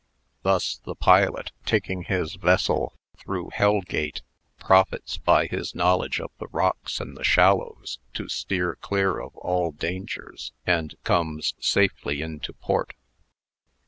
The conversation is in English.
Thus the pilot, taking his vessel through Hellgate, profits by his knowledge of the rocks and the shallows, to steer clear of all dangers, and come safely into port.